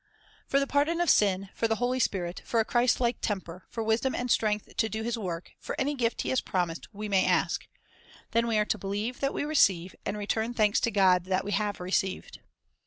For the pardon of sin, for the Holy Spirit, for a Christlike temper, for wisdom and strength to do His work, for any gift He has promised, we may ask; then we are to believe that we receive, and return thanks to God that we have received.